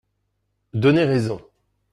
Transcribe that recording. donné raison.